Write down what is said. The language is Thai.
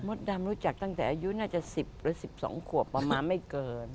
ดำรู้จักตั้งแต่อายุน่าจะ๑๐หรือ๑๒ขวบประมาณไม่เกิน